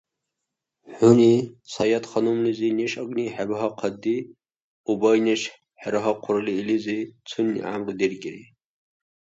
ХӀуни Саятханумлизи неш агни хӀебагьахъади, убай неш хӀерагьахъурли илизи, цунни гӀямру деркӀири